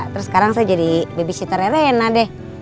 terus sekarang saya jadi babysitternya enak deh